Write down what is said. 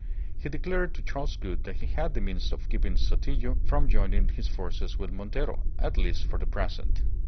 He declared to Charles Gould that he had the means of keeping Sotillo from joining his forces with Montero, at least for the present.